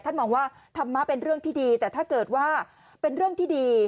มองว่าธรรมะเป็นเรื่องที่ดีแต่ถ้าเกิดว่าเป็นเรื่องที่ดี